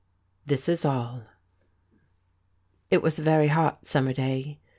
25 THIS IS ALL It was a ' very hot summer day.